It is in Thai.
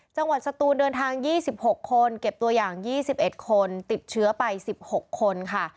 สตูนเดินทาง๒๖คนเก็บตัวอย่าง๒๑คนติดเชื้อไป๑๖คนค่ะ